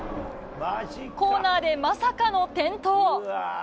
コーナーでまさかの転倒。